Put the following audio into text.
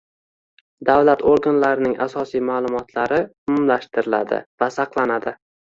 davlat organlarining asosiy ma’lumotlari umumlashtiriladi va saqlanadi.